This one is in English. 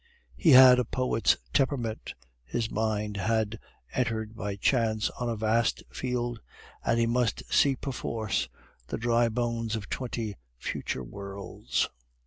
He had a poet's temperament, his mind had entered by chance on a vast field; and he must see perforce the dry bones of twenty future worlds.